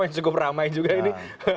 yang cukup ramai juga ini